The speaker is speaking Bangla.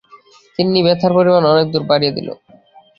তিন্নি ব্যথার পরিমাণ অনেক দূর বাড়িয়ে দিল।